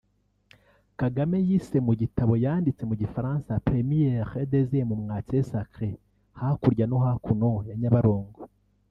Kagame yise mu gitabo yanditse mu gifaransa “Première et Deuxième Moitié Sacrées” (hakurya no Hakuno ya Nyabarongo)